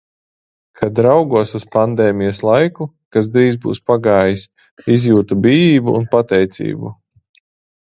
Kad raugos uz pandēmijas laiku, kas drīz būs pagājis, izjūtu bijību un pateicību.